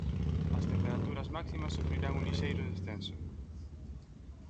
As temperaturas máximas sufrirán un lixeiro descenso.